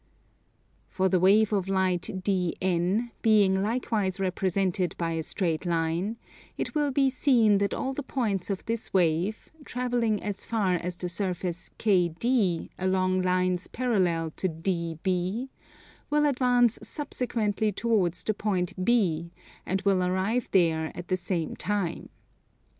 For the wave of light DN, being likewise represented by a straight line, it will be seen that all the points of this wave, travelling as far as the surface KD along lines parallel to DB, will advance subsequently towards the point B, and will arrive there at the same time.